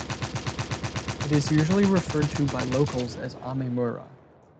It is usually referred to by locals as Ame-mura.